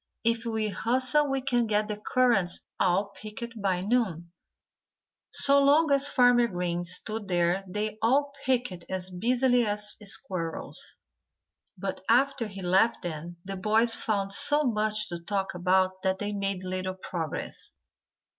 If we hustle we can get the currants all picked by noon." So long as Farmer Green stood there they all picked as busily as squirrels. But after he left them the boys found so much to talk about that they made little progress.